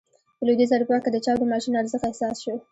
په لوېدیځه اروپا کې د چاپ د ماشین ارزښت احساس شو.